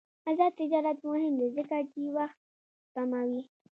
آزاد تجارت مهم دی ځکه چې وخت سپموي.